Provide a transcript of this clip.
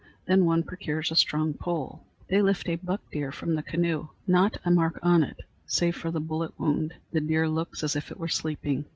Then one procures a strong pole. They lift a buck deer from the canoe not a mark upon it, save for the bullet wound; the deer looks as if it were sleeping!